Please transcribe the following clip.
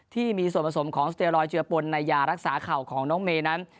ที่มีส่วนผสมของสเตรอยเจือปนในยารักษาเข่าของน้องเมย์นั้น